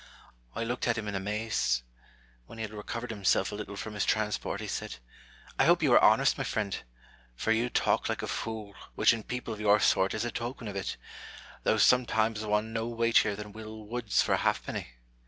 I looked at him in amaze. When he had recovered himself a little from his transport, he said, " I hope you are honest, my friend ! for you talk like a fool, which in people of your sort is a token of it, though some times one no weightier than Will Wood's for a halfpenny.